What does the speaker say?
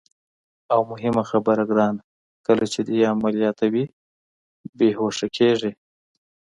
او مهمه خبره ګرانه، کله چې دې عملیاتوي، بېهوښه کېږي.